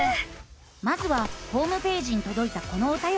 まずはホームページにとどいたこのおたよりから。